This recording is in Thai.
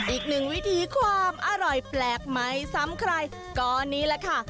อีกหนึ่งวิธีความอร่อยแปลกไม่ซ้ำใครก็นี่แหละค่ะ